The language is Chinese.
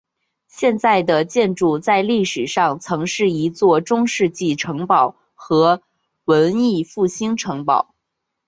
现在的建筑在历史上曾是一座中世纪城堡和文艺复兴城堡。